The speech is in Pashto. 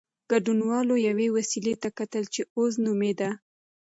ګډونوالو یوې وسيلې ته کتل چې "اوز" نومېده.